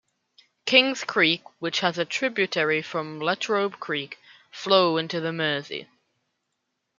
Kings Creek which has a tributary from Latrobe Creek flow into the Mersey.